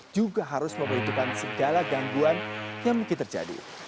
juga harus memperhitungkan segala gangguan yang mungkin terjadi